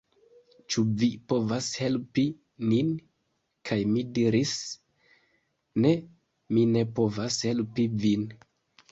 Ĉu vi povas helpi nin?" kaj mi diris: "Ne, mi ne povas helpi vin!